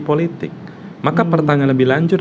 politik maka pertanyaan lebih lanjut